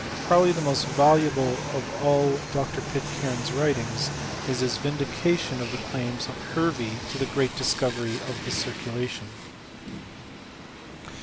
Probably the most valu able of all Dr. Pitcairne's writings, is his vindication of the claims of Hervey to the great discovery of the circulation.